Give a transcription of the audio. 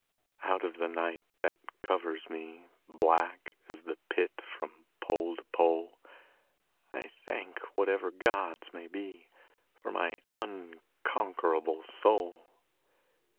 Out of the night that covers me, Black as the Pit from pole to pole, I thank whatever gods may be For my unconquerable soul.